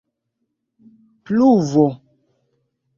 pluvo